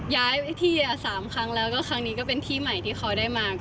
ย้ายไปที่๓ครั้งแล้วก็ครั้งนี้ก็เป็นที่ใหม่ที่เขาได้มา